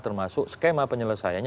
termasuk skema penyelesaiannya